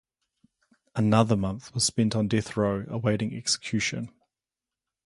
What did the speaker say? Another month was spent on death row awaiting execution.